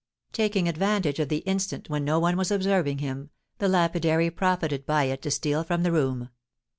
Taking advantage of the instant when no one was observing him, the lapidary profited by it to steal from the room.